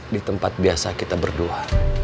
di tempat biasa kita berdoa